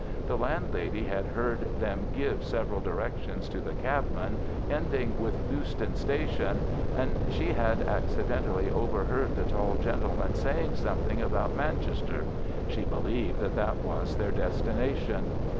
The landlady had heard them give several directions to the cabman, ending with Euston Station, and she had accidentally overheard the tall gentleman saying something about Manchester. She believed that that was their destination.